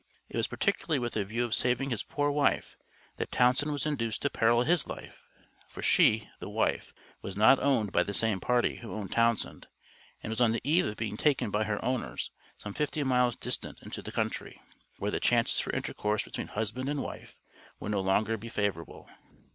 It was particularly with a view of saving his poor wife that Townsend was induced to peril his life, for she (the wife) was not owned by the same party who owned Townsend, and was on the eve of being taken by her owners some fifty miles distant into the country, where the chances for intercourse between husband and wife would no longer be favorable.